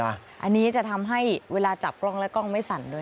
อันนี้จะทำให้เวลาจับกล้องและกล้องไม่สั่นด้วย